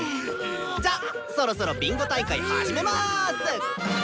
じゃそろそろビンゴ大会始めます！